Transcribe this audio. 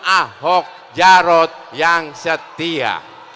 ahok jarod yang setia